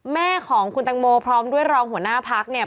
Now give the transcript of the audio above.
แม่ของคุณตังโมพร้อมด้วยรองหัวหน้าพักเนี่ย